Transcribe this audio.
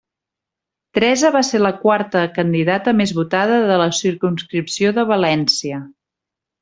Teresa va ser la quarta candidata més votada de la circumscripció de València.